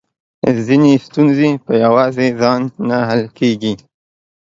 ځينې ستونزې په يواځې ځان نه حل کېږي .